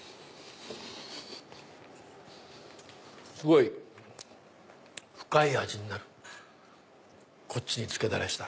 すごい深い味になるこっちにつけたら。